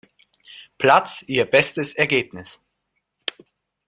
Platz ihr bestes Ergebnis.